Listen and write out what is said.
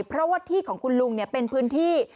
เพราะว่าที่ของคุณลุงเป็นพื้นที่